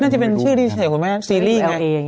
น่าจะเป็นชื่อที่เห็นของแม่ซีรีส์ไง